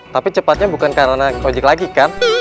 tapi cepatnya bukan karena ojek lagi kan